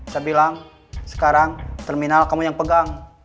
saya bilang sekarang terminal kamu yang pegang